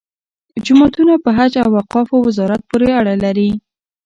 جوماتونه په حج او اوقافو وزارت پورې اړه لري.